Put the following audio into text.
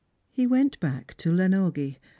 287 He went back to Lenorgie.